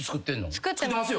作ってます。